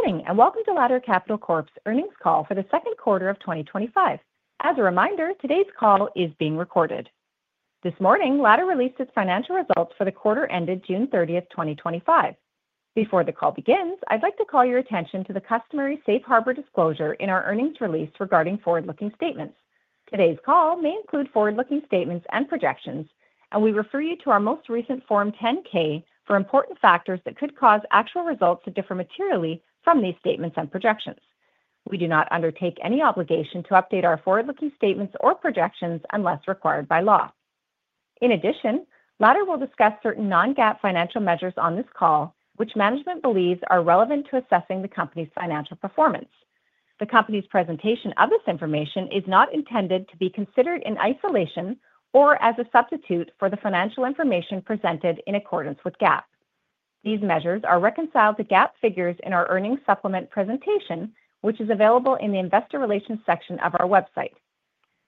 Good morning and welcome to Ladder Capital Corp's earnings call for the second quarter of 2025. As a reminder, today's call is being recorded. This morning, Ladder released its financial results for the quarter ended June 30th, 2025. Before the call begins, I'd like to call your attention to the customary safe harbor disclosure in our earnings release regarding forward-looking statements. Today's call may include forward-looking statements and projections, and we refer you to our most recent Form 10-K for important factors that could cause actual results to differ materially from these statements and projections. We do not undertake any obligation to update our forward-looking statements or projections unless required by law. In addition, Ladder will discuss certain non-GAAP financial measures on this call, which management believes are relevant to assessing the company's financial performance. The company's presentation of this information is not intended to be considered in isolation or as a substitute for the financial information presented in accordance with GAAP. These measures are reconciled to GAAP figures in our earnings supplement presentation, which is available in the Investor Relations section of our website.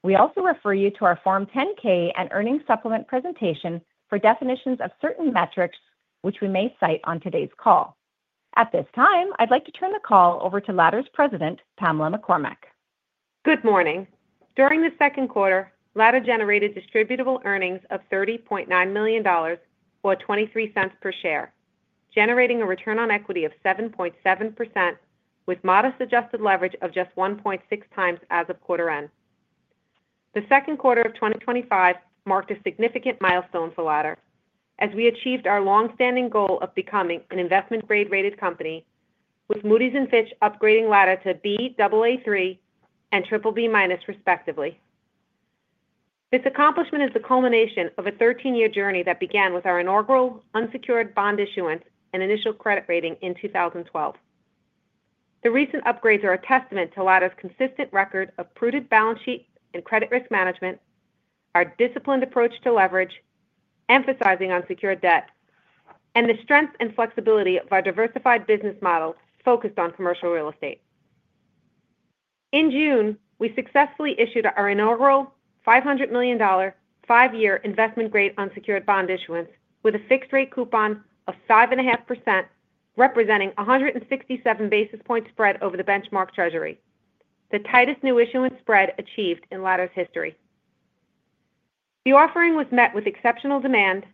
We also refer you to our Form 10-K and earnings supplement presentation for definitions of certain metrics, which we may cite on today's call. At this time, I'd like to turn the call over to Ladder's President, Pamela McCormack. Good morning. During the second quarter, Ladder generated distributable earnings of $30.9 million or $0.23 per share, generating a return on equity of 7.7% with modest adjusted leverage of just 1.6x as of quarter end. The second quarter of 2025 marked a significant milestone for Ladder, as we achieved our long-standing goal of becoming an investment-grade rated company, with Moody’s and Fitch upgrading Ladder to Baa3 and BBB- respectively. This accomplishment is the culmination of a 13-year journey that began with our inaugural unsecured bond issuance and initial credit rating in 2012. The recent upgrades are a testament to Ladder’s consistent record of prudent balance sheets and credit risk management, our disciplined approach to leverage, emphasizing unsecured debt, and the strength and flexibility of our diversified business model focused on commercial real estate. In June, we successfully issued our inaugural $500 million five-year investment-grade unsecured bond issuance with a fixed-rate coupon of 5.5%, representing a 167 basis point spread over the benchmark Treasury, the tightest new issuance spread achieved in Ladder’s history. The offering was met with exceptional demand,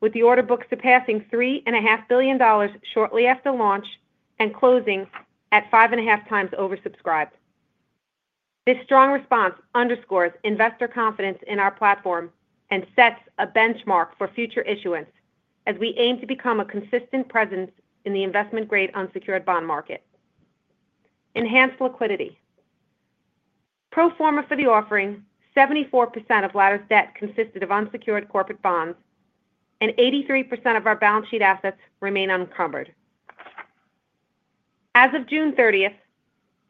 with the order book surpassing $3.5 billion shortly after launch and closing at 5.5 times oversubscribed. This strong response underscores investor confidence in our platform and sets a benchmark for future issuance, as we aim to become a consistent presence in the investment-grade unsecured bond market. Enhanced liquidity. Pro forma for the offering, 74% of Ladder’s debt consisted of unsecured corporate bonds, and 83% of our balance sheet assets remain unencumbered. As of June 30th,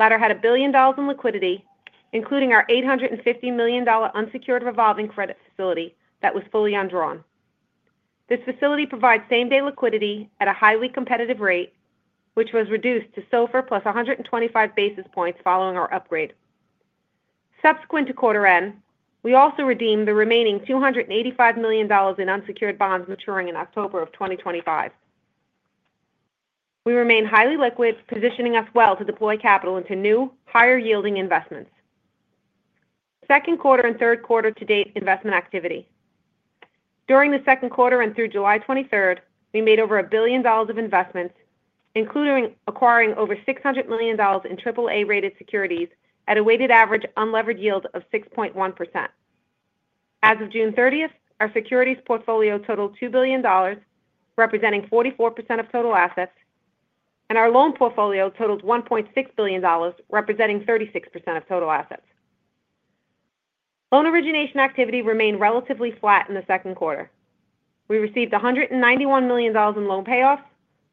Ladder had $1 billion in liquidity, including our $850 million unsecured revolving credit facility that was fully undrawn. This facility provides same-day liquidity at a highly competitive rate, which was reduced to SOFR plus 125 basis points following our upgrade. Subsequent to quarter end, we also redeemed the remaining $285 million in unsecured bonds maturing in October of 2025. We remain highly liquid, positioning us well to deploy capital into new, higher-yielding investments. Second quarter and third quarter to date investment activity. During the second quarter and through July 23rd, we made over $1 billion of investments, including acquiring over $600 million in AAA-rated securities at a weighted average unlevered yield of 6.1%. As of June 30th, our securities portfolio totaled $2 billion, representing 44% of total assets, and our loan portfolio totaled $1.6 billion, representing 36% of total assets. Loan origination activity remained relatively flat in the second quarter. We received $191 million in loan payoffs,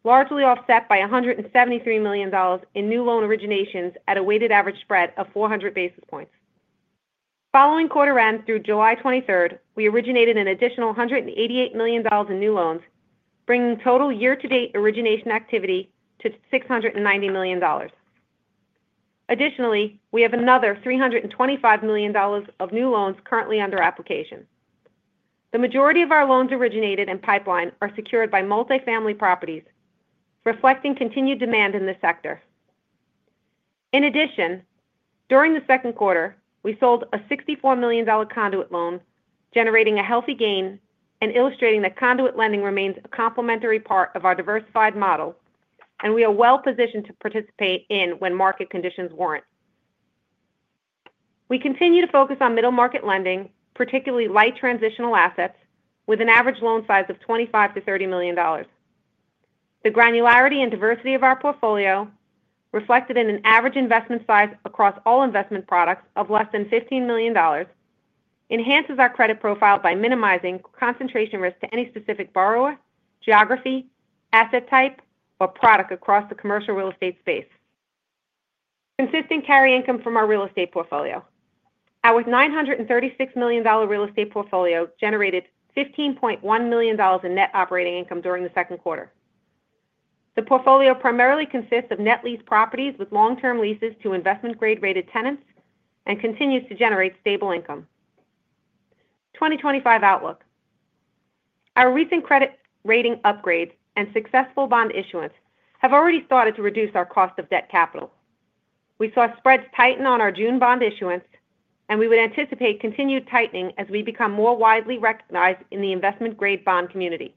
largely offset by $173 million in new loan originations at a weighted average spread of 400 basis points. Following quarter end through July 23rd, we originated an additional $188 million in new loans, bringing total year-to-date origination activity to $690 million. Additionally, we have another $325 million of new loans currently under application. The majority of our loans originated and pipeline are secured by multifamily properties, reflecting continued demand in this sector. In addition, during the second quarter, we sold a $64 million conduit loan, generating a healthy gain and illustrating that conduit lending remains a complementary part of our diversified model, and we are well positioned to participate in when market conditions warrant. We continue to focus on middle-market lending, particularly light transitional assets, with an average loan size of $25 to $30 million. The granularity and diversity of our portfolio, reflected in an average investment size across all investment products of less than $15 million, enhances our credit profile by minimizing concentration risk to any specific borrower, geography, asset type, or product across the commercial real estate space. Consistent carry income from our real estate portfolio. Our $936 million real estate portfolio generated $15.1 million in net operating income during the second quarter. The portfolio primarily consists of net lease properties with long-term leases to investment-grade rated tenants and continues to generate stable income. 2025 outlook. Our recent credit rating upgrades and successful bond issuance have already started to reduce our cost of debt capital. We saw spreads tighten on our June bond issuance, and we would anticipate continued tightening as we become more widely recognized in the investment-grade bond community.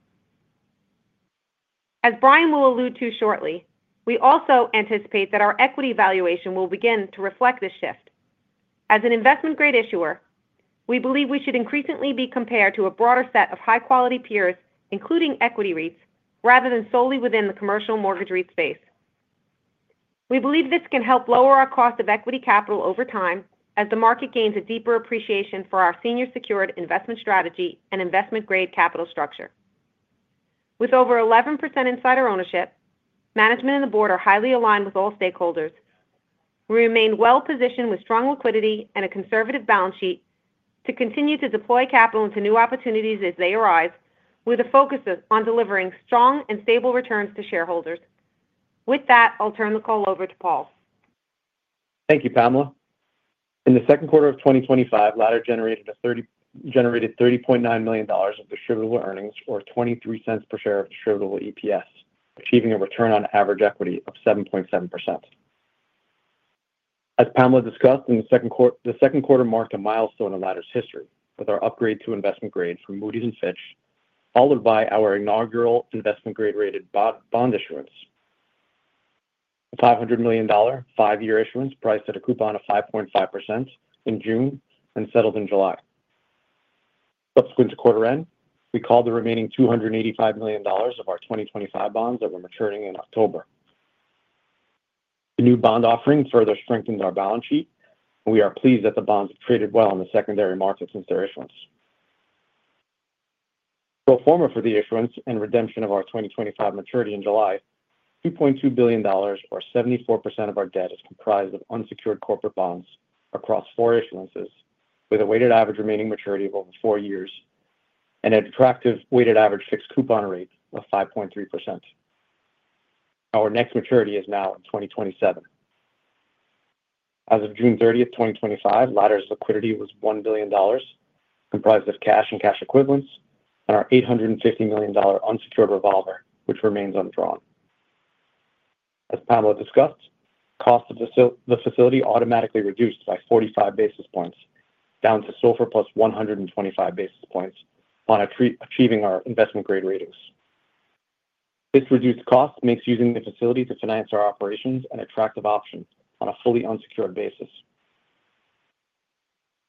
As Brian will allude to shortly, we also anticipate that our equity valuation will begin to reflect this shift. As an investment-grade issuer, we believe we should increasingly be compared to a broader set of high-quality peers, including equity REITs, rather than solely within the commercial mortgage REIT space. We believe this can help lower our cost of equity capital over time as the market gains a deeper appreciation for our senior-secured investment strategy and investment-grade capital structure. With over 11% insider ownership, management and the board are highly aligned with all stakeholders. We remain well positioned with strong liquidity and a conservative balance sheet to continue to deploy capital into new opportunities as they arrive, with a focus on delivering strong and stable returns to shareholders. With that, I'll turn the call over to Paul. Thank you, Pamela. In the second quarter of 2025, Ladder generated $30.9 million of distributable earnings or $0.23 per share of distributable EPS, achieving a return on average equity of 7.7%. As Pamela discussed, the second quarter marked a milestone in Ladder's history with our upgrade to investment grade from Moody’s and Fitch, followed by our inaugural investment-grade rated bond issuance. The $500 million five-year issuance priced at a coupon of 5.5% in June and settled in July. Subsequent to quarter end, we called the remaining $285 million of our 2025 bonds that were maturing in October. The new bond offering further strengthened our balance sheet, and we are pleased that the bonds have traded well in the secondary market since their issuance. Pro forma for the issuance and redemption of our 2025 maturity in July, $2.2 billion or 74% of our debt is comprised of unsecured corporate bonds across four issuances, with a weighted average remaining maturity of over four years and an attractive weighted average fixed coupon rate of 5.3%. Our next maturity is now in 2027. As of June 30th, 2025, Ladder's liquidity was $1 billion, comprised of cash and cash equivalents and our $850 million unsecured revolver, which remains undrawn. As Pamela discussed, cost of the facility automatically reduced by 45 basis points down to SOFR plus 125 basis points on achieving our investment-grade ratings. This reduced cost makes using the facility to finance our operations an attractive option on a fully unsecured basis.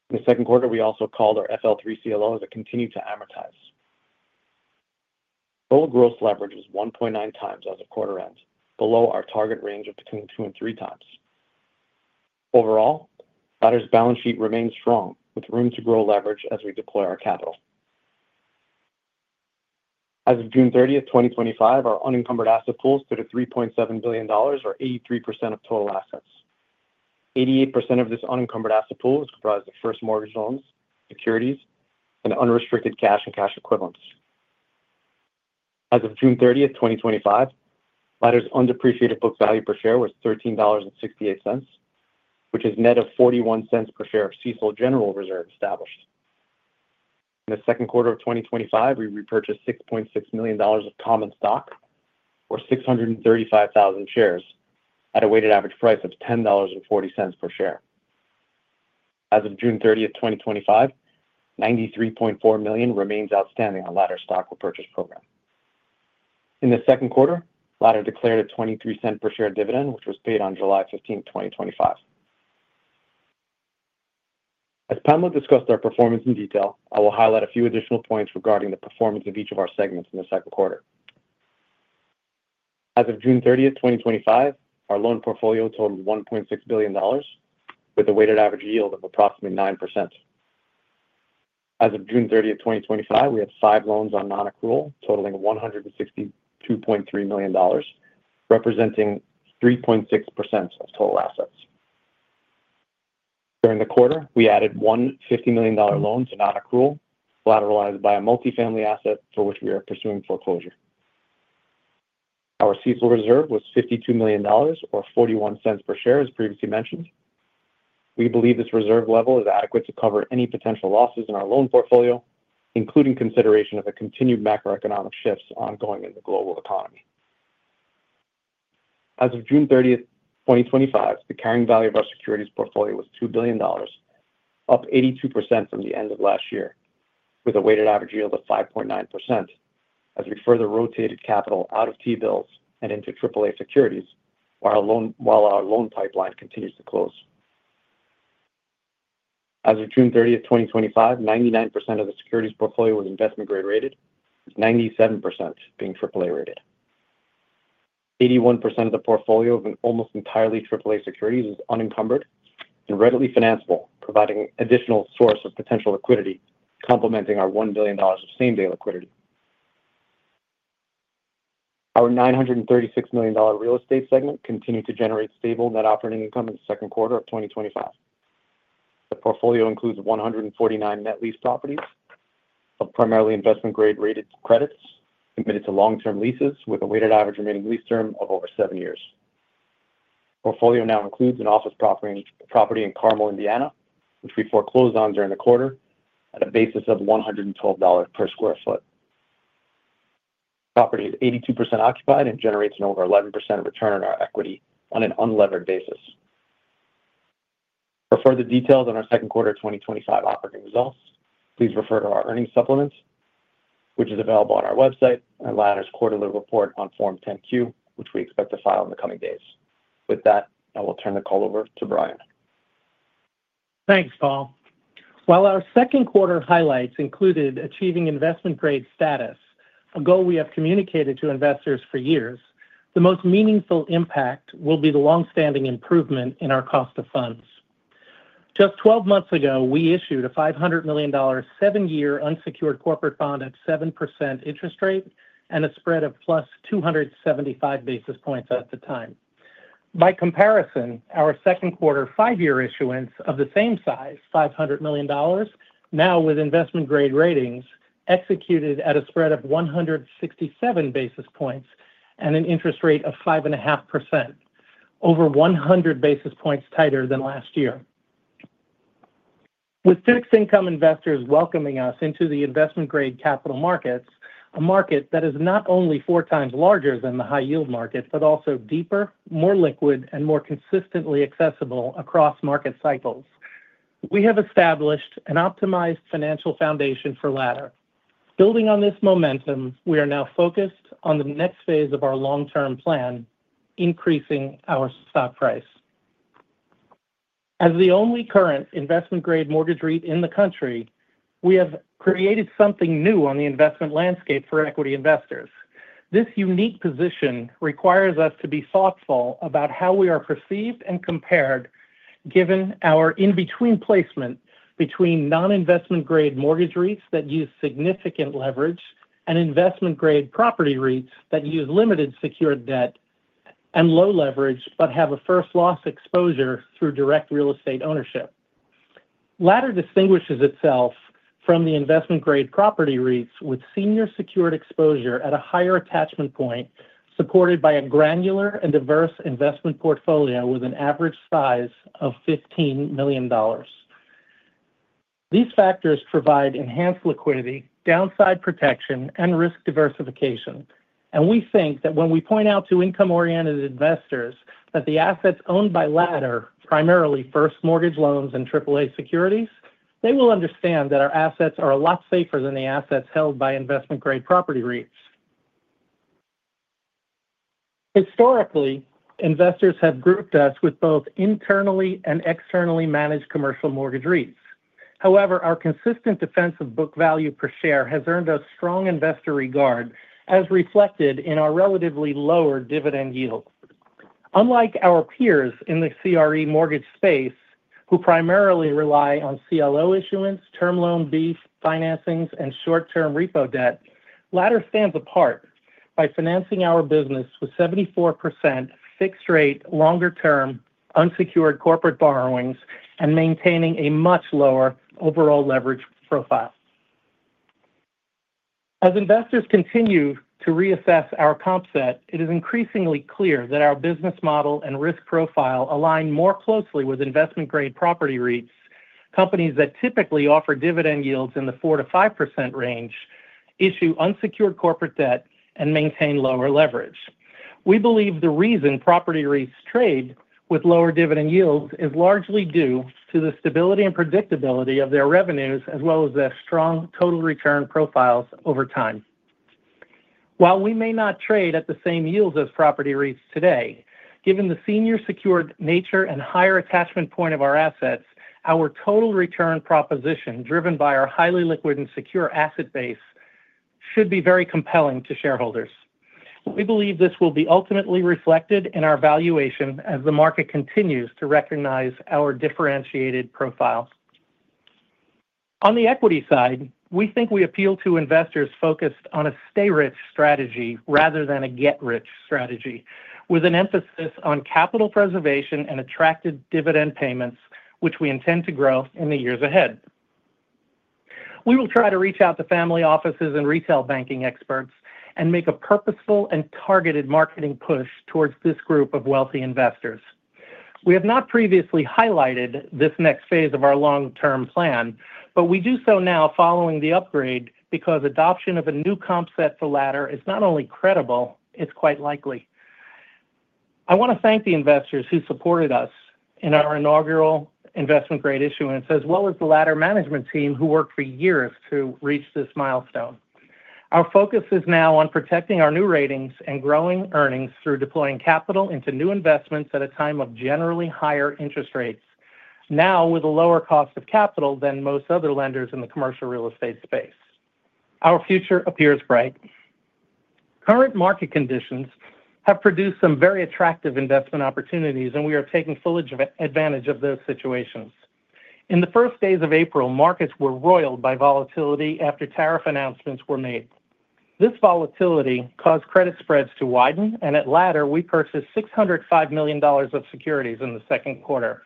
In the second quarter, we also called our FL3 CLOs that continue to amortize. Total gross leverage was 1.9x as of quarter end, below our target range of between two and three times. Overall, Ladder's balance sheet remains strong with room to grow leverage as we deploy our capital. As of June 30th, 2025, our unencumbered asset pool stood at $3.7 billion or 83% of total assets. 88% of this unencumbered asset pool is comprised of first mortgage loans, securities, and unrestricted cash and cash equivalents. As of June 30th, 2025, Ladder's undepreciated book value per share was $13.68, which is net of $0.41 per share of CECL General Reserve established. In the second quarter of 2025, we repurchased $6.6 million of common stock or 635,000 shares at a weighted average price of $10.40 per share. As of June 30th, 2025, $93.4 million remains outstanding on Ladder's stock repurchase program. In the second quarter, Ladder declared a $0.23 per share dividend, which was paid on July 15, 2025. As Pamela discussed our performance in detail, I will highlight a few additional points regarding the performance of each of our segments in the second quarter. As of June 30th, 2025, our loan portfolio totaled $1.6 billion with a weighted average yield of approximately 9%. As of June 30th, 2025, we have five loans on non-accrual totaling $162.3 million, representing 3.6% of total assets. During the quarter, we added one $50 million loan to non-accrual, collateralized by a multifamily asset for which we are pursuing foreclosure. Our CECL reserve was $52 million or $0.41 per share, as previously mentioned. We believe this reserve level is adequate to cover any potential losses in our loan portfolio, including consideration of the continued macroeconomic shifts ongoing in the global economy. As of June 30th, 2025, the carrying value of our securities portfolio was $2 billion, up 82% from the end of last year, with a weighted average yield of 5.9% as we further rotated capital out of T-bills and into AAA securities while our loan pipeline continues to close. As of June 30th, 2025, 99% of the securities portfolio was investment-grade rated, with 97% being AAA-rated. 81% of the portfolio of almost entirely AAA securities is unencumbered and readily financeable, providing an additional source of potential liquidity complementing our $1 billion of same-day liquidity. Our $936 million real estate segment continued to generate stable net operating income in the second quarter of 2025. The portfolio includes 149 net lease properties of primarily investment-grade rated credits committed to long-term leases with a weighted average remaining lease term of over seven years. The portfolio now includes an office property in Carmel, Indiana, which we foreclosed on during the quarter at a basis of $112/sq ft.. The property is 82% occupied and generates an over 11% return on our equity on an unlevered basis. For further details on our second quarter of 2025 operating results, please refer to our earnings supplements, which is available on our website and Ladder's quarterly report on Form 10-Q, which we expect to file in the coming days. With that, I will turn the call over to Brian. Thanks, Paul. While our second quarter highlights included achieving investment-grade status, a goal we have communicated to investors for years, the most meaningful impact will be the long-standing improvement in our cost of funds. Just 12 months ago, we issued a $500 million seven-year unsecured corporate bond at a 7% interest rate and a spread of +275 basis points at the time. By comparison, our second quarter five-year issuance of the same size, $500 million, now with investment-grade ratings, executed at a spread of 167 basis points and an interest rate of 5.5%, over 100 basis points tighter than last year. With fixed-income investors welcoming us into the investment-grade capital markets, a market that is not only four times larger than the high-yield markets, but also deeper, more liquid, and more consistently accessible across market cycles, we have established an optimized financial foundation for Ladder. Building on this momentum, we are now focused on the next phase of our long-term plan, increasing our stock price. As the only current investment-grade mortgage REIT in the U.S., we have created something new on the investment landscape for equity investors. This unique position requires us to be thoughtful about how we are perceived and compared, given our in-between placement between non-investment-grade mortgage REITs that use significant leverage and investment-grade property REITs that use limited secured debt and low leverage, but have a first loss exposure through direct real estate ownership. Ladder distinguishes itself from the investment-grade property REITs with senior secured exposure at a higher attachment point, supported by a granular and diverse investment portfolio with an average size of $15 million. These factors provide enhanced liquidity, downside protection, and risk diversification. We think that when we point out to income-oriented investors that the assets owned by Ladder, primarily first mortgage loans and AAA securities, they will understand that our assets are a lot safer than the assets held by investment-grade property REITs. Historically, investors have grouped us with both internally and externally managed commercial mortgage REITs. However, our consistent defense of book value per share has earned us strong investor regard, as reflected in our relatively lower dividend yield. Unlike our peers in the CRE mortgage space, who primarily rely on CLO issuance, term loan B financings, and short-term repo debt, Ladder stands apart by financing our business with 74% fixed rate longer-term unsecured corporate borrowings and maintaining a much lower overall leverage profile. As investors continue to reassess our comp set, it is increasingly clear that our business model and risk profile align more closely with investment-grade property REITs, companies that typically offer dividend yields in the 4%-5% range, issue unsecured corporate debt, and maintain lower leverage. We believe the reason property REITs trade with lower dividend yields is largely due to the stability and predictability of their revenues, as well as their strong total return profiles over time. While we may not trade at the same yields as property REITs today, given the senior secured nature and higher attachment point of our assets, our total return proposition, driven by our highly liquid and secure asset base, should be very compelling to shareholders. We believe this will be ultimately reflected in our valuation as the market continues to recognize our differentiated profiles. On the equity side, we think we appeal to investors focused on a stay-rich strategy rather than a get-rich strategy, with an emphasis on capital preservation and attractive dividend payments, which we intend to grow in the years ahead. We will try to reach out to family offices and retail banking experts and make a purposeful and targeted marketing push towards this group of wealthy investors. We have not previously highlighted this next phase of our long-term plan, but we do so now following the upgrade because adoption of a new comp set for Ladder is not only credible, it's quite likely. I want to thank the investors who supported us in our inaugural investment-grade issuance, as well as the Ladder management team who worked for years to reach this milestone. Our focus is now on protecting our new ratings and growing earnings through deploying capital into new investments at a time of generally higher interest rates, now with a lower cost of capital than most other lenders in the commercial real estate space. Our future appears bright. Current market conditions have produced some very attractive investment opportunities, and we are taking full advantage of those situations. In the first days of April, markets were roiled by volatility after tariff announcements were made. This volatility caused credit spreads to widen, and at Ladder, we purchased $605 million of securities in the second quarter.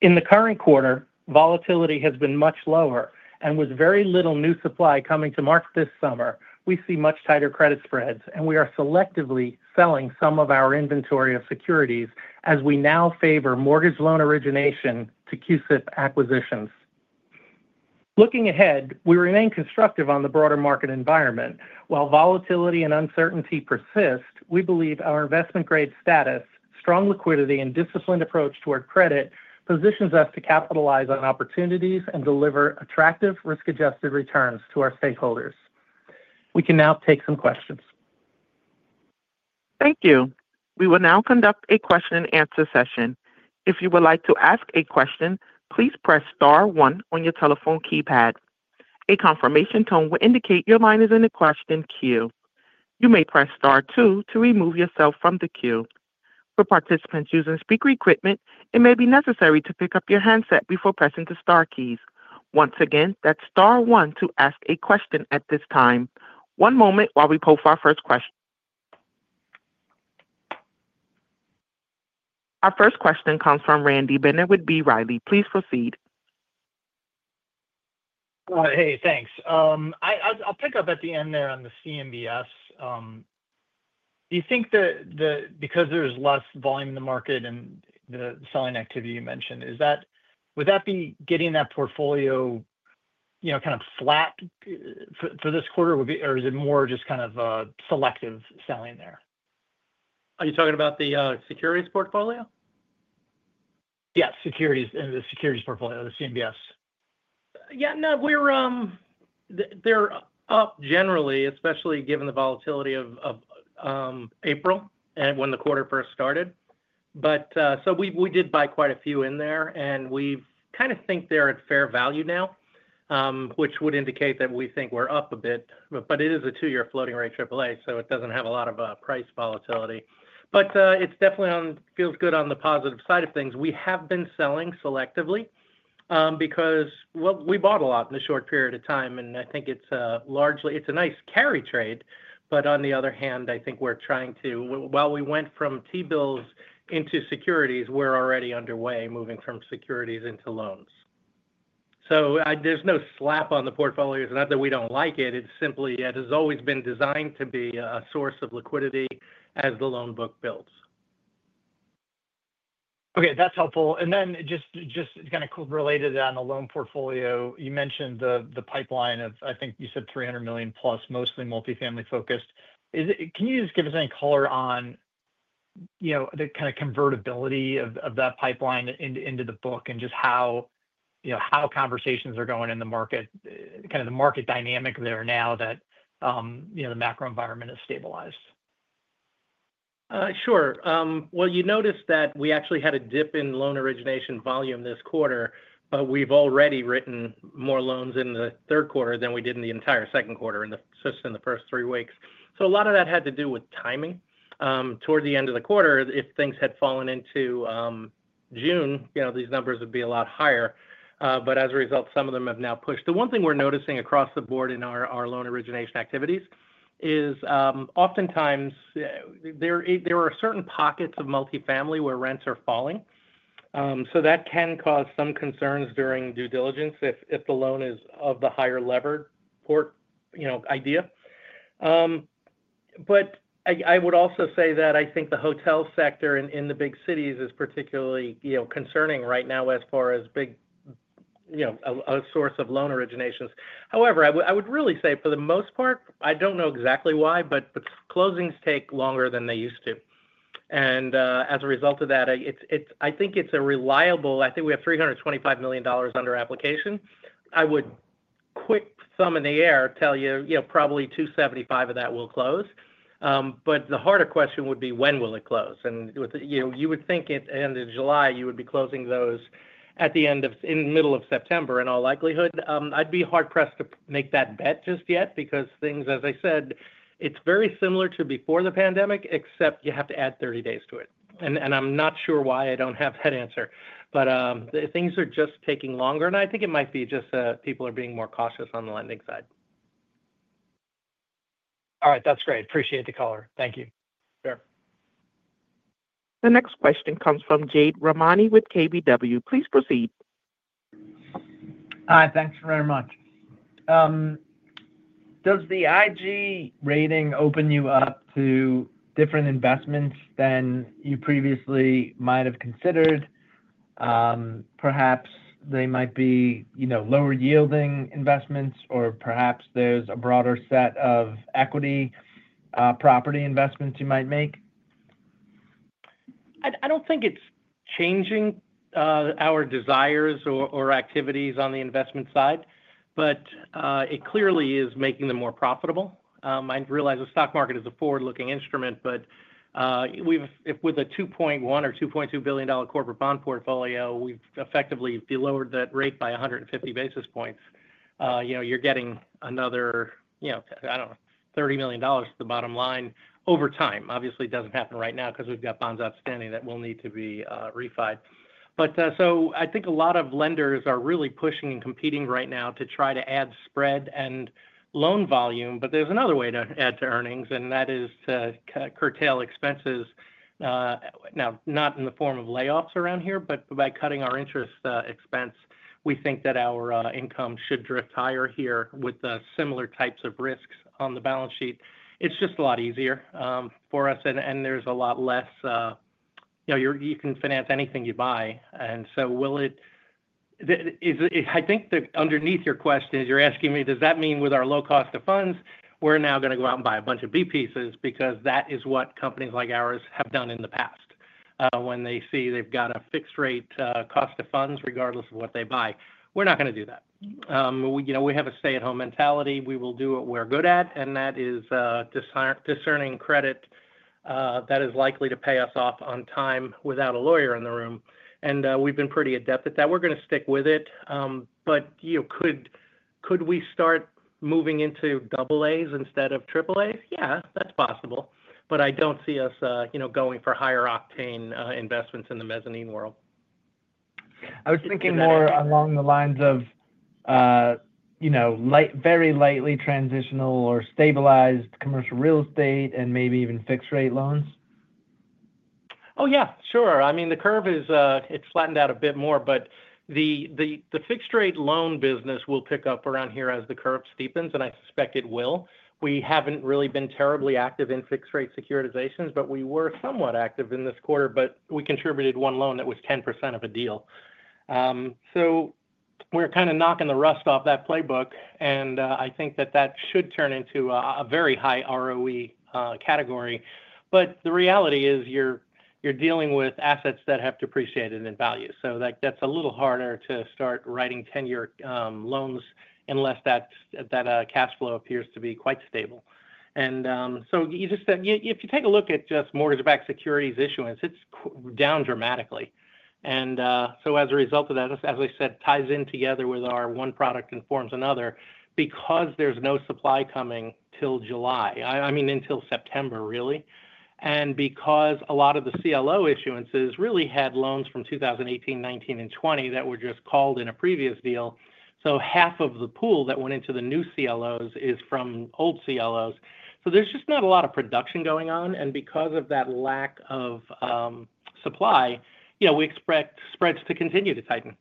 In the current quarter, volatility has been much lower, and with very little new supply coming to market this summer, we see much tighter credit spreads, and we are selectively selling some of our inventory of securities as we now favor mortgage loan origination to QCIP acquisitions. Looking ahead, we remain constructive on the broader market environment. While volatility and uncertainty persist, we believe our investment-grade status, strong liquidity, and disciplined approach toward credit positions us to capitalize on opportunities and deliver attractive risk-adjusted returns to our stakeholders. We can now take some questions. Thank you. We will now conduct a question-and-answer session. If you would like to ask a question, please press star one on your telephone keypad. A confirmation tone will indicate your line is in a question queue. You may press star two to remove yourself from the queue. For participants using speaker equipment, it may be necessary to pick up your handset before pressing the star keys. Once again, that's star one to ask a question at this time. One moment while we pull for our first question. Our first question comes from Randy Binner with B. Riley. Please proceed. Hey, thanks. I'll pick up at the end there on the CMBS. Do you think that because there's less volume in the market and the selling activity you mentioned, would that be getting that portfolio kind of flat for this quarter? Or is it more just kind of selective selling there? Are you talking about the securities portfolio? Yeah, securities in the securities portfolio, the CMBS. Yeah, no, they're up generally, especially given the volatility of April and when the quarter first started. We did buy quite a few in there, and we kind of think they're at fair value now, which would indicate that we think we're up a bit. It is a two-year floating rate AAA, so it doesn't have a lot of price volatility. It definitely feels good on the positive side of things. We have been selling selectively because we bought a lot in a short period of time, and I think it's largely, it's a nice carry trade. On the other hand, I think we're trying to, while we went from T-bills into securities, we're already underway moving from securities into loans. There's no slap on the portfolio. It's not that we don't like it. It simply has always been designed to be a source of liquidity as the loan book builds. Okay, that's helpful. Just kind of related on the loan portfolio, you mentioned the pipeline of, I think you said $300 million plus, mostly multifamily focused. Can you just give us any color on the kind of convertibility of that pipeline into the book and just how, you know, how conversations are going in the market, kind of the market dynamic there now that, you know, the macro environment is stabilized? Sure. You noticed that we actually had a dip in loan origination volume this quarter, but we've already written more loans in the third quarter than we did in the entire second quarter in the first three weeks. A lot of that had to do with timing. Toward the end of the quarter, if things had fallen into June, these numbers would be a lot higher. As a result, some of them have now pushed. The one thing we're noticing across the board in our loan origination activities is oftentimes there are certain pockets of multifamily where rents are falling. That can cause some concerns during due diligence if the loan is of the higher levered port idea. I would also say that I think the hotel sector in the big cities is particularly concerning right now as far as a source of loan originations. I would really say for the most part, I don't know exactly why, but closings take longer than they used to. As a result of that, I think it's a reliable, I think we have $325 million under application. I would quick thumb in the air tell you, probably $275 million of that will close. The harder question would be when will it close? You would think at the end of July, you would be closing those at the end of, in the middle of September, in all likelihood. I'd be hard-pressed to make that bet just yet because things, as I said, it's very similar to before the pandemic, except you have to add 30 days to it. I'm not sure why I don't have that answer. Things are just taking longer, and I think it might be just that people are being more cautious on the lending side. All right, that's great. Appreciate the color. Thank you. Sure. The next question comes from Jade Rahmani with KBW. Please proceed. Hi, thanks very much. Does the IG rating open you up to different investments than you previously might have considered? Perhaps they might be, you know, lower yielding investments, or perhaps there's a broader set of equity property investments you might make? I don't think it's changing our desires or activities on the investment side, but it clearly is making them more profitable. I realize the stock market is a forward-looking instrument, but if with a $2.1 billion or $2.2 billion corporate bond portfolio, we've effectively lowered that rate by 150 basis points, you're getting another, I don't know, $30 million to the bottom line over time. Obviously, it doesn't happen right now because we've got bonds outstanding that will need to be refinanced. I think a lot of lenders are really pushing and competing right now to try to add spread and loan volume, but there's another way to add to earnings, and that is to curtail expenses. Not in the form of layoffs around here, but by cutting our interest expense, we think that our income should drift higher here with similar types of risks on the balance sheet. It's just a lot easier for us, and there's a lot less, you know, you can finance anything you buy. Will it, I think that underneath your question is you're asking me, does that mean with our low cost of funds, we're now going to go out and buy a bunch of B pieces because that is what companies like ours have done in the past when they see they've got a fixed rate cost of funds regardless of what they buy. We're not going to do that. We have a stay-at-home mentality. We will do what we're good at, and that is discerning credit that is likely to pay us off on time without a lawyer in the room. We've been pretty adept at that. We're going to stick with it. Could we start moving into AAs instead of AAAs? Yeah, that's possible. I don't see us going for higher octane investments in the mezzanine world. I was thinking more along the lines of very lightly transitional or stabilized commercial real estate and maybe even fixed-rate loans. Oh yeah, sure. I mean, the curve is, it's flattened out a bit more, but the fixed-rate loan business will pick up around here as the curve steepens, and I suspect it will. We haven't really been terribly active in fixed-rate securitizations, but we were somewhat active in this quarter, but we contributed one loan that was 10% of a deal. We're kind of knocking the rust off that playbook, and I think that that should turn into a very high ROE category. The reality is you're dealing with assets that have depreciated in value. That's a little harder to start writing 10-year loans unless that cash flow appears to be quite stable. If you take a look at just mortgage-backed securities issuance, it's down dramatically. As a result of that, as I said, ties in together with our one product and forms another because there's no supply coming till July. I mean, until September, really. A lot of the CLO issuances really had loans from 2018, 2019, and 2020 that were just called in a previous deal. Half of the pool that went into the new CLOs is from old CLOs. There's just not a lot of production going on. Because of that lack of supply, you know, we expect spreads to continue to tighten.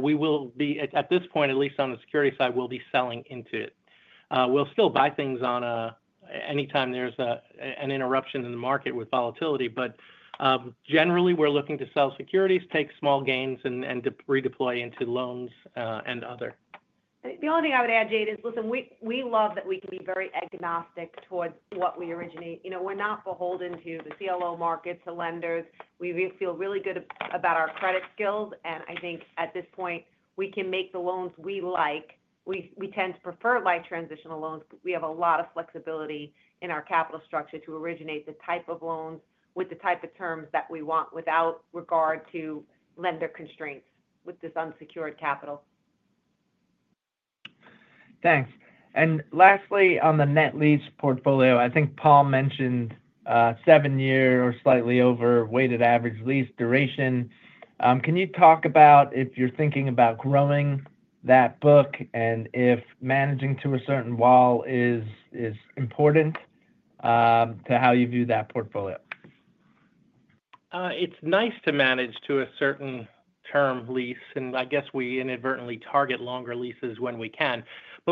We will be, at this point, at least on the security side, we'll be selling into it. We'll still buy things on anytime there's an interruption in the market with volatility. Generally, we're looking to sell securities, take small gains, and redeploy into loans and other. The only thing I would add, Jade, is listen, we love that we can be very agnostic towards what we originate. You know, we're not beholden to the CLO market, to lenders. We feel really good about our credit skills. I think at this point, we can make the loans we like. We tend to prefer light transitional loans. We have a lot of flexibility in our capital structure to originate the type of loans with the type of terms that we want without regard to lender constraints with this unsecured capital. Thank you. Lastly, on the net lease portfolio, I think Paul mentioned a seven-year or slightly over weighted average lease duration. Can you talk about if you're thinking about growing that book and if managing to a certain wall is important to how you view that portfolio? It's nice to manage to a certain term lease, and I guess we inadvertently target longer leases when we can.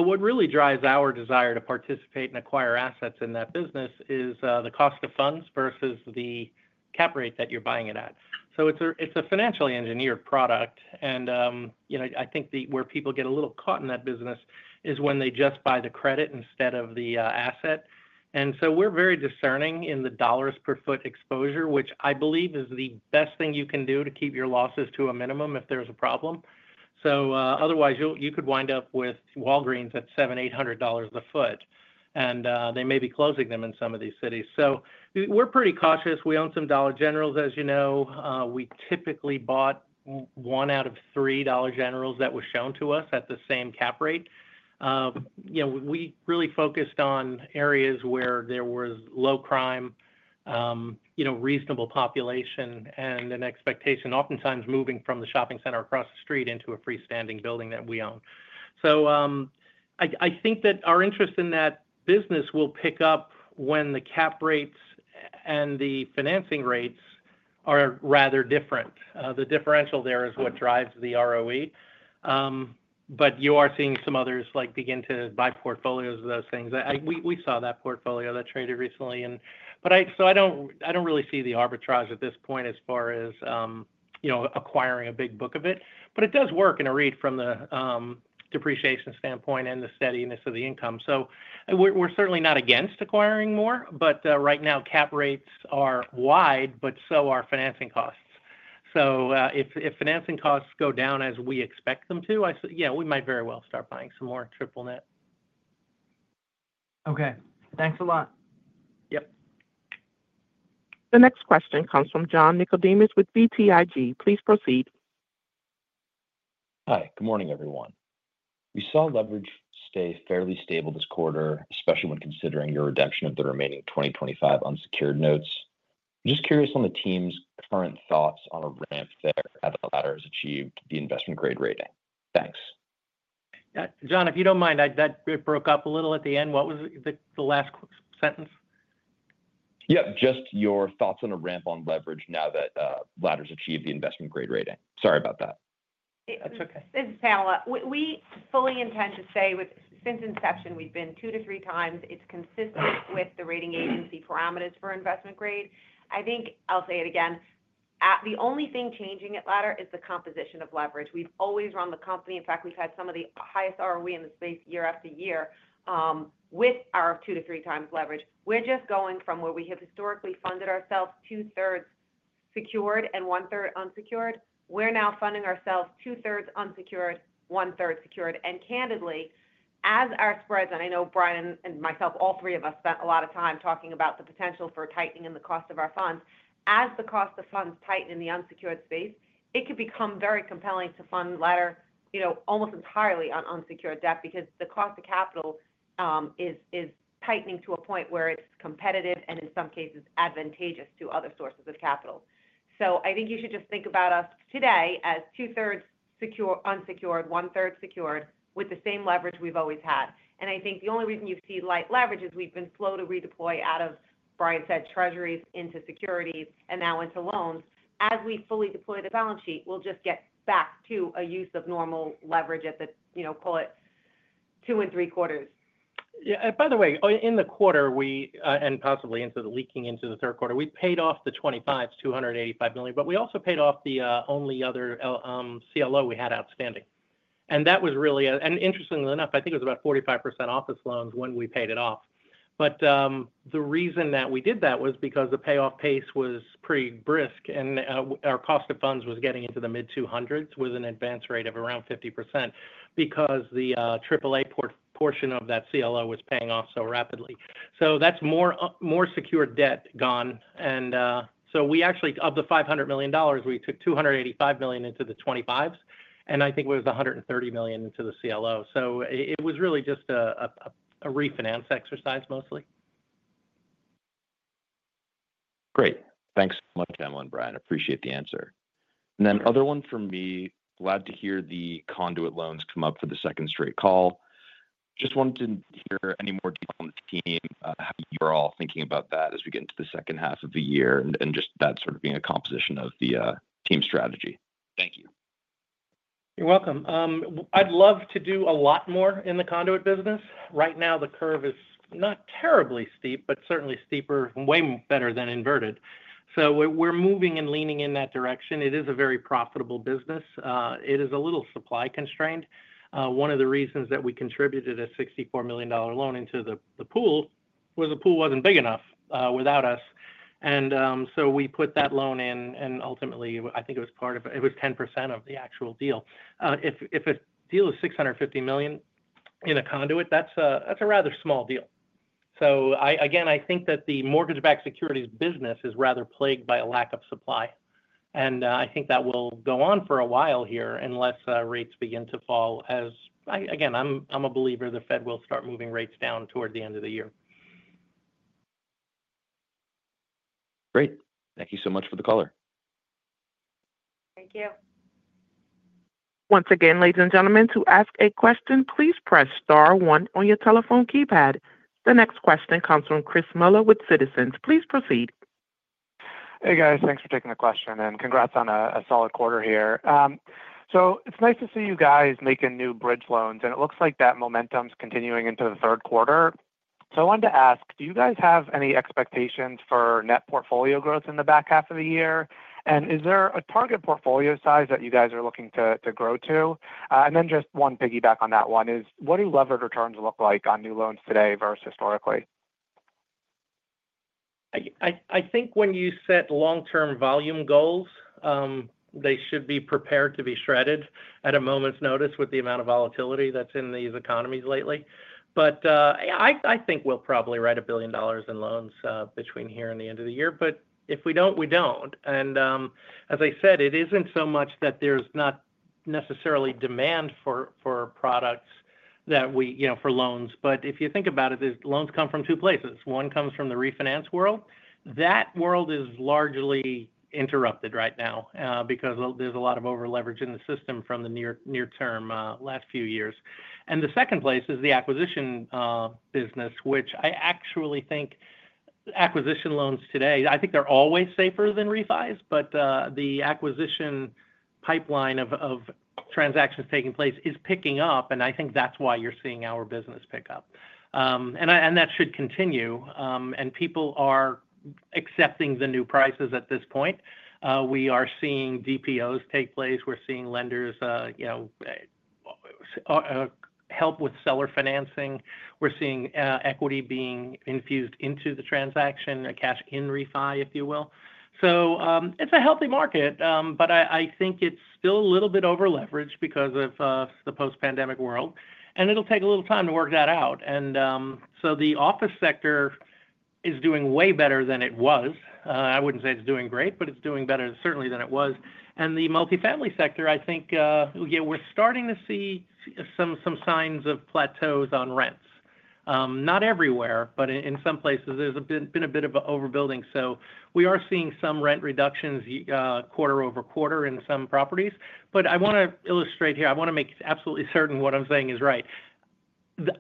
What really drives our desire to participate and acquire assets in that business is the cost of funds versus the cap rate that you're buying it at. It's a financially engineered product. I think where people get a little caught in that business is when they just buy the credit instead of the asset. We're very discerning in the dollars per foot exposure, which I believe is the best thing you can do to keep your losses to a minimum if there's a problem. Otherwise, you could wind up with Walgreens at $700, $800 a foot, and they may be closing them in some of these cities. We're pretty cautious. We own some Dollar Generals, as you know. We typically bought one out of three Dollar Generals that were shown to us at the same cap rate. We really focused on areas where there was low crime, reasonable population, and an expectation oftentimes moving from the shopping center across the street into a freestanding building that we own. I think that our interest in that business will pick up when the cap rates and the financing rates are rather different. The differential there is what drives the ROE. You are seeing some others begin to buy portfolios of those things. We saw that portfolio that traded recently. I don't really see the arbitrage at this point as far as acquiring a big book of it. It does work in a REIT from the depreciation standpoint and the steadiness of the income. We're certainly not against acquiring more. Right now, cap rates are wide, but so are financing costs. If financing costs go down as we expect them to, yeah, we might very well start buying some more triple net. Okay, thanks a lot. Yep. The next question comes from John Nickodemus with BTIG. Please proceed. Hi, good morning everyone. We saw leverage stay fairly stable this quarter, especially when considering your reduction of the remaining 2025 unsecured notes. I'm just curious on the team's current thoughts on a ramp there after Ladder has achieved the investment-grade rating. Thanks. John, if you don't mind, that broke up a little at the end. What was the last sentence? Just your thoughts on a ramp on leverage now that Ladder has achieved the investment-grade rating. Sorry about that. It's okay. This is Pamela. We fully intend to say with since inception, we've been two to three times. It's consistent with the rating agency parameters for investment grade. I think I'll say it again. The only thing changing at Ladder is the composition of leverage. We've always run the company. In fact, we've had some of the highest ROE in the space year after year with our two to three times leverage. We're just going from where we have historically funded ourselves 2/3 secured and 1/3 unsecured. We're now funding ourselves 2/3 unsecured, 1/3 secured. Candidly, as our spreads, and I know Brian and myself, all three of us spent a lot of time talking about the potential for tightening in the cost of our funds. As the cost of funds tighten in the unsecured space, it could become very compelling to fund Ladder almost entirely on unsecured debt because the cost of capital is tightening to a point where it's competitive and in some cases advantageous to other sources of capital. I think you should just think about us today as 2/3 unsecured, 1/3 secured with the same leverage we've always had. I think the only reason you see light leverage is we've been slow to redeploy out of, as Brian said, treasuries into securities and now into loans. As we fully deploy the balance sheet, we'll just get back to a use of normal leverage at the, you know, call it 2/4 and 3/4. Yeah, by the way, in the quarter, we, and possibly into the leaking into the third quarter, we paid off the 2025's, $285 million, but we also paid off the only other CLO we had outstanding. That was really, and interestingly enough, I think it was about 45% office loans when we paid it off. The reason that we did that was because the payoff pace was pretty brisk and our cost of funds was getting into the mid-200s with an advance rate of around 50% because the AAA portion of that CLO was paying off so rapidly. That is more secured debt gone. We actually, of the $500 million, took $285 million into the 2025's and I think it was $130 million into the CLO. It was really just a refinance exercise mostly. Great. Thanks so much, Pamela and Brian. I appreciate the answer. Another one. Be glad to hear the conduit loans come up for the second straight call. Just wanted to hear any more detail on the team, how you're all thinking about that as we get into the second half of the year and just that sort of being a composition of the team strategy. Thank you. You're welcome. I'd love to do a lot more in the conduit business. Right now, the curve is not terribly steep, but certainly steeper, way better than inverted. We're moving and leaning in that direction. It is a very profitable business. It is a little supply constrained. One of the reasons that we contributed a $64 million loan into the pool was the pool wasn't big enough without us. We put that loan in and ultimately, I think part of it was 10% of the actual deal. If a deal is $650 million in a conduit, that's a rather small deal. I think that the mortgage-backed securities business is rather plagued by a lack of supply. I think that will go on for a while here unless rates begin to fall. I'm a believer the Fed will start moving rates down toward the end of the year. Great. Thank you so much for the color. Thank you. Once again, ladies and gentlemen, to ask a question, please press star one on your telephone keypad. The next question comes from Chris Muller with Citizens. Please proceed. Hey guys, thanks for taking the question and congrats on a solid quarter here. It's nice to see you guys make new bridge loans and it looks like that momentum's continuing into the third quarter. I wanted to ask, do you guys have any expectations for net portfolio growth in the back half of the year? Is there a target portfolio size that you guys are looking to grow to? Just one piggyback on that one is what do levered returns look like on new loans today versus historically? I think when you set long-term volume goals, they should be prepared to be shredded at a moment's notice with the amount of volatility that's in these economies lately. I think we'll probably write $1 billion in loans between here and the end of the year. If we don't, we don't. As I said, it isn't so much that there's not necessarily demand for products that we, you know, for loans. If you think about it, loans come from two places. One comes from the refinance world. That world is largely interrupted right now because there's a lot of over-leveraging in the system from the near-term last few years. The second place is the acquisition business, which I actually think acquisition loans today, I think they're always safer than refinance. The acquisition pipeline of transactions taking place is picking up. I think that's why you're seeing our business pick up. That should continue. People are accepting the new prices at this point. We are seeing DPOs take place. We're seeing lenders help with seller financing. We're seeing equity being infused into the transaction, cash in refinance, if you will. It's a healthy market. I think it's still a little bit over-leveraged because of the post-pandemic world. It'll take a little time to work that out. The office sector is doing way better than it was. I wouldn't say it's doing great, but it's doing better certainly than it was. The multifamily sector, I think, yeah, we're starting to see some signs of plateaus on rents. Not everywhere, but in some places, there's been a bit of overbuilding. We are seeing some rent reductions quarter over quarter in some properties. I want to illustrate here, I want to make absolutely certain what I'm saying is right.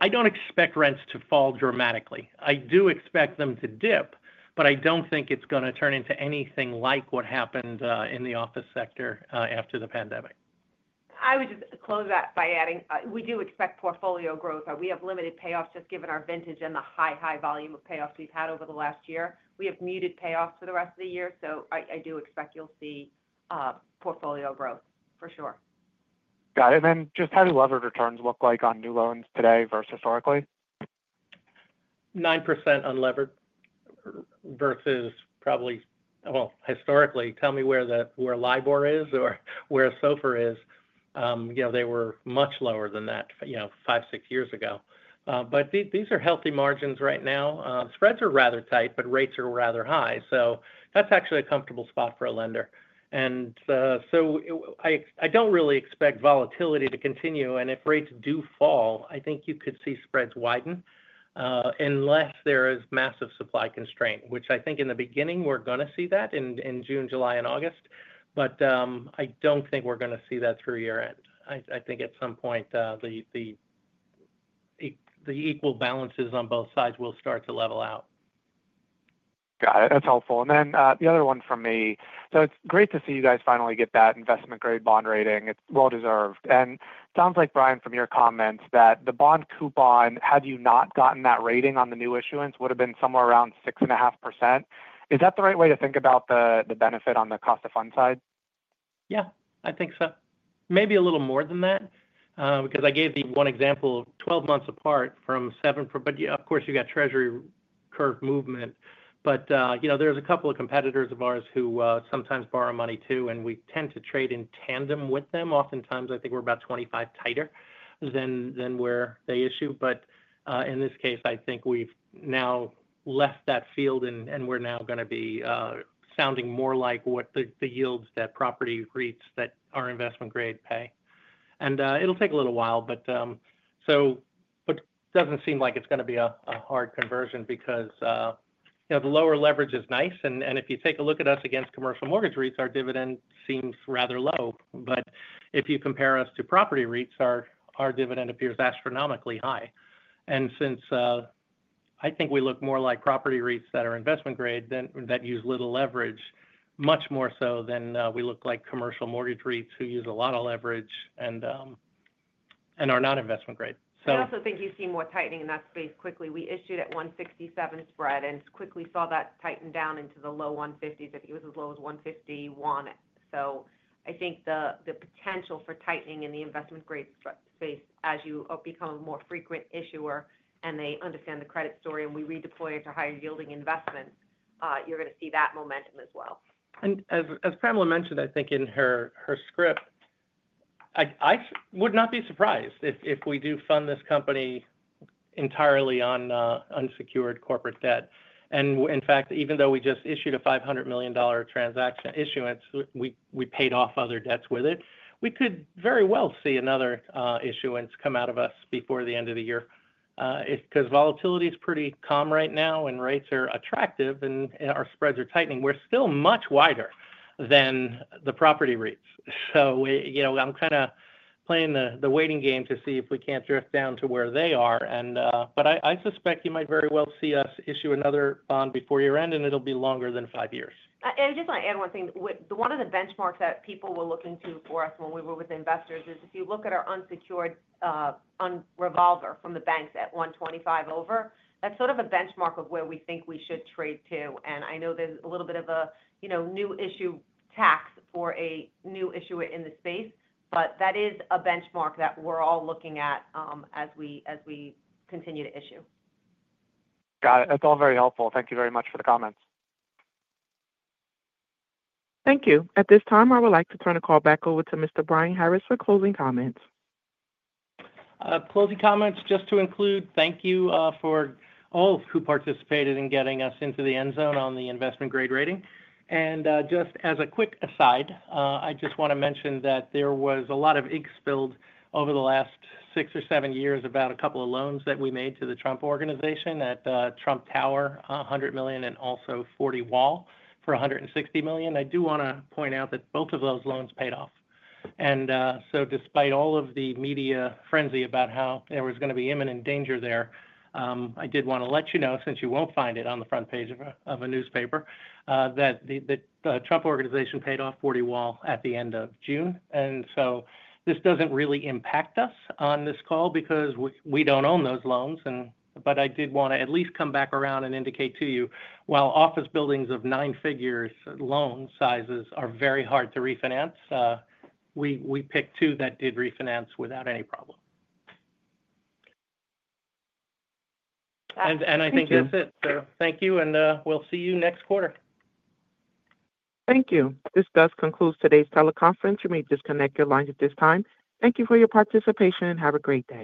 I don't expect rents to fall dramatically. I do expect them to dip, but I don't think it's going to turn into anything like what happened in the office sector after the pandemic. I would just close that by adding we do expect portfolio growth. We have limited payoffs just given our vintage and the high, high volume of payoffs we've had over the last year. We have muted payoffs for the rest of the year. I do expect you'll see portfolio growth for sure. Got it. How do levered returns look like on new loans today versus historically? 9% on levered versus probably, historically, tell me where LIBOR is or where SOFR is. They were much lower than that five, six years ago. These are healthy margins right now. Spreads are rather tight, but rates are rather high. That's actually a comfortable spot for a lender. I don't really expect volatility to continue. If rates do fall, I think you could see spreads widen unless there is massive supply constraint, which I think in the beginning we're going to see that in June, July, and August. I don't think we're going to see that through year-end. I think at some point the equal balances on both sides will start to level out. Got it. That's helpful. The other one from me, it's great to see you guys finally get that investment-grade bond rating. It's well deserved. It sounds like, Brian, from your comments, that the bond coupon, had you not gotten that rating on the new issuance, would have been somewhere around 6.5%. Is that the right way to think about the benefit on the cost of fund side? Yeah, I think so. Maybe a little more than that because I gave the one example 12 months apart from seven, but of course you've got treasury curve movement. There are a couple of competitors of ours who sometimes borrow money too, and we tend to trade in tandem with them. Oftentimes, I think we're about 25 tighter than where they issue. In this case, I think we've now left that field and we're now going to be sounding more like what the yields that property REITs that are investment-grade pay. It'll take a little while, but it doesn't seem like it's going to be a hard conversion because the lower leverage is nice. If you take a look at us against commercial mortgage REITs, our dividend seems rather low. If you compare us to property REITs, our dividend appears astronomically high. Since I think we look more like property REITs that are investment-grade that use little leverage, much more so than we look like commercial mortgage REITs who use a lot of leverage and are not investment-grade. I also think you see more tightening in that space quickly. We issued at 167 spread and quickly saw that tighten down into the low 150s. I think it was as low as 151. I think the potential for tightening in the investment-grade space as you become a more frequent issuer and they understand the credit story and we redeploy it to higher yielding investments, you're going to see that momentum as well. As Pamela mentioned, I think in her script, I would not be surprised if we do fund this company entirely on unsecured corporate debt. In fact, even though we just issued a $500 million transaction issuance, we paid off other debts with it. We could very well see another issuance come out of us before the end of the year. Volatility is pretty calm right now and rates are attractive and our spreads are tightening. We're still much wider than the property REITs. I'm kind of playing the waiting game to see if we can't drift down to where they are. I suspect you might very well see us issue another bond before year-end and it'll be longer than five years. I just want to add one thing. One of the benchmarks that people were looking to for us when we were with investors is if you look at our unsecured revolver from the banks at 125 over, that's sort of a benchmark of where we think we should trade to. I know there's a little bit of a new issue tax for a new issuer in the space, but that is a benchmark that we're all looking at as we continue to issue. Got it. That's all very helpful. Thank you very much for the comments. Thank you. At this time, I would like to turn the call back over to Mr. Brian Harris for closing comments. Closing comments just to include, thank you for all who participated in getting us into the end zone on the investment-grade rating. Just as a quick aside, I just want to mention that there was a lot of ink spilled over the last six or seven years about a couple of loans that we made to the Trump Organization at Trump Tower, $100 million, and also 40 Wall for $160 million. I do want to point out that both of those loans paid off. Despite all of the media frenzy about how there was going to be imminent danger there, I did want to let you know, since you won't find it on the front page of a newspaper, that the Trump Organization paid off 40 Wall at the end of June. This doesn't really impact us on this call because we don't own those loans. I did want to at least come back around and indicate to you, while office buildings of nine figures loan sizes are very hard to refinance, we picked two that did refinance without any problem. I think that's it. Thank you and we'll see you next quarter. Thank you. This does conclude today's teleconference. You may disconnect your lines at this time. Thank you for your participation and have a great day.